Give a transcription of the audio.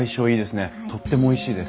とってもおいしいです。